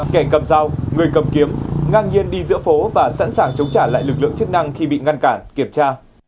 kẻ cầm dao người cầm kiếm ngang nhiên đi giữa phố và sẵn sàng chống trả lại lực lượng chức năng khi bị ngăn cản kiểm tra